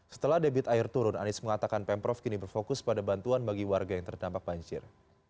setelah debit air turun anies mengatakan pemprov kini berfokus pada bantuan bagi warga yang terdampak banjir